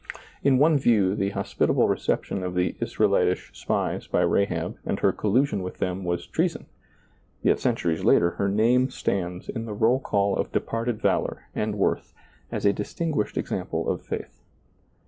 In one view the hospitable reception of the Israelitish spies by Rahab and her collusion with them was treason, yet centuries later her name stands in the roll call of departed valor and worth, as a distinguished example of faith.